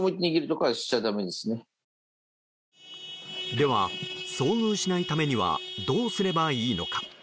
では、遭遇しないためにはどうすればいいのか。